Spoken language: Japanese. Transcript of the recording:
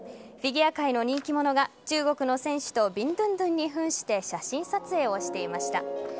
フィギュア界の人気者が中国の選手とビンドゥンドゥンに扮して写真撮影をしていました。